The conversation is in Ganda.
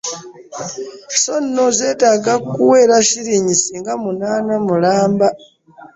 Sso nno zeetaaga kuwera shs nga munaana mulamba?